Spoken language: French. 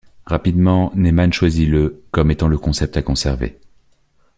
Rapidement, Nyeman choisit le comme étant le concept à conserver.